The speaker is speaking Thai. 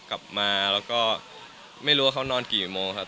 กลับมาแล้วก็ไม่รู้ว่าเขานอนกี่โมงครับ